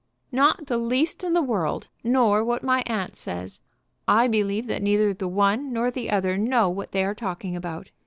"Not the least in the world; nor what my aunt says. I believe that neither the one nor the other know what they are talking about.